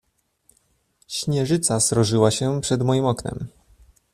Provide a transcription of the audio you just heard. "Śnieżyca srożyła się przed moim oknem."